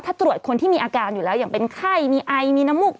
ถ้าตรวจคนที่มีอาการอยู่แล้วอย่างเป็นไข้มีไอมีน้ำมูก